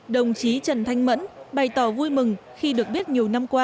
đồng chí trần thanh mẫn bày tỏ vui mừng khi được biết nhiều năm qua